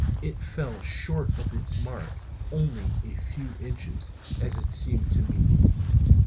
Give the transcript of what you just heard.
It fell short of its mark only a few inches, as it seemed to me.